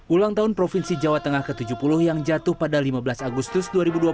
ulang tahun provinsi jawa tengah ke tujuh puluh yang jatuh pada lima belas agustus dua ribu dua puluh